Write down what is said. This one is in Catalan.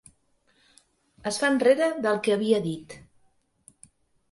Es fa enrere del que havia dit.